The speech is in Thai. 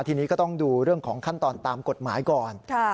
ทีนี้ก็ต้องดูเรื่องของขั้นตอนตามกฎหมายก่อน